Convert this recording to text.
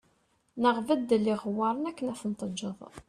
Neɣ beddel iɣewwaṛen akken ad ten-teǧǧeḍ